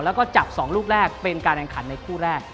แล้วก็จับ๒ลูกแรกเป็นการแข่งขันในคู่แรก